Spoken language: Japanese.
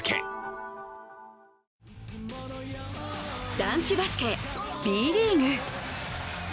男子バスケ、Ｂリーグ。